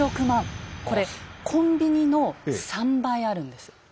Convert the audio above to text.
これコンビニの３倍あるんです。